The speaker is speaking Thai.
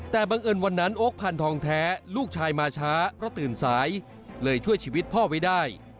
แต่เบิ่ลอื่นวันนั้นโอ๊คพันธ์ทองแทะลูกชายมาช้าเดินใส่เลยช่วยชีวิตพ่อไว้ได้